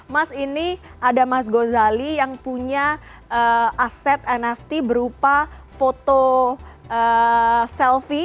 mas ini ada mas gozali yang punya aset nft berupa foto selfie